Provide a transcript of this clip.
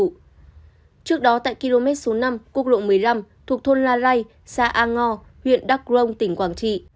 trước đó tại km số năm quốc lộ một mươi năm thuộc thôn la ray xã a ngo huyện đắk rông tỉnh quảng trị